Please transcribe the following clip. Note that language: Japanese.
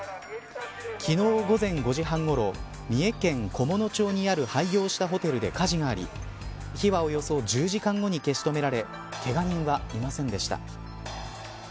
昨日午前５時半ごろ三重県菰野町にある廃業したホテルで火事があり火はおよそ１０時間後に消し止められけが人はいませんでした。